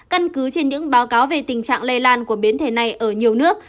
căn cứ trên những báo cáo về tình trạng lây lan của biến thể này ở nhiều nước